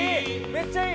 めっちゃいい！